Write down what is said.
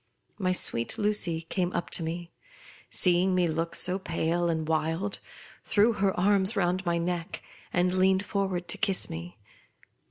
My sweet Lucy came up to me, seeing me look so pale and wild, threw her arms round my neck, and leaned forward to kiss me.